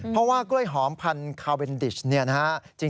เพราะว่ากล้วยหอมพันธุ์คาเวนดิชน์